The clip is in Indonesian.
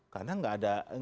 karena gak ada